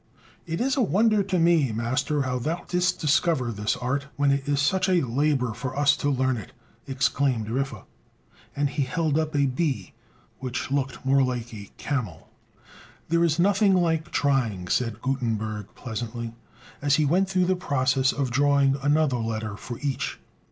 "It is a wonder to me, master, how thou didst discover this art, when it is such a labor for us to learn it!" exclaimed Riffe; and he held up a B which looked more like a camel. "There's nothing like trying," said Gutenberg pleasantly, as he went through the process of drawing another letter for each.